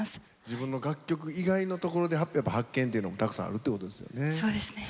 自分の楽曲以外のところで発見っていうのもたくさんあるってことですよね。